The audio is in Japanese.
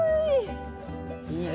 いいね。